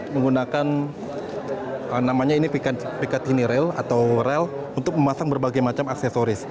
menggunakan namanya ini picatinny rail atau rail untuk memasang berbagai macam aksesoris